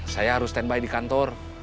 saya harus standby di kantor